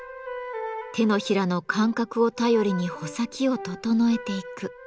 手のひらの感覚を頼りに穂先を整えていく。